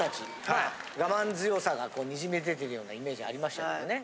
まあ我慢強さがにじみ出てるようなイメージありましたけどね。